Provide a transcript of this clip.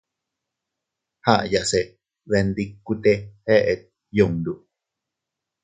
Aʼyase bendikute eʼet yundu.